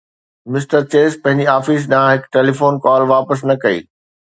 mister Chase پنهنجي office ڏانهن هڪ ٽيليفون ڪال واپس نه ڪئي